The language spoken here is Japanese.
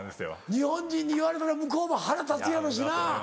日本人に言われたら向こうも腹立つやろうしな。